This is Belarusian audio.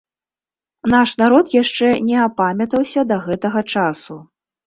Наш народ яшчэ не апамятаўся да гэтага часу.